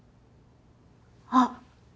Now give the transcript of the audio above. あっ！